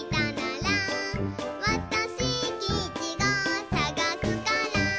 「わたしきいちごさがすから」